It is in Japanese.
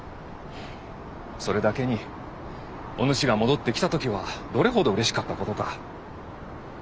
それだけにおぬしが戻ってきた時はどれほどうれしかったことか。